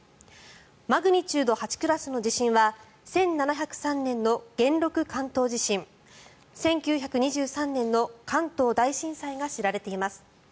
マグニチュード８クラスの地震は１７０３年の元禄関東地震１９２３年の関東大震災が知られています。